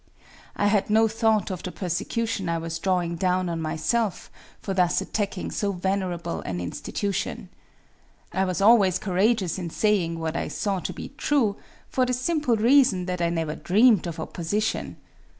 I had no thought of the persecution I was drawing down on myself for thus attacking so venerable an institution. I was always courageous in saying what I saw to be true, for the simple reason that I never dreamed of opposition.